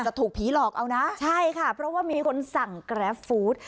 จะถูกผีหลอกเอานะใช่ค่ะเพราะว่ามีคนสั่งกราฟฟู้ด